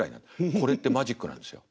これってマジックなんですよ。